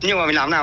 nhưng mà làm nào